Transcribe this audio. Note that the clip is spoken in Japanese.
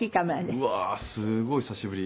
うわーすごい久しぶり。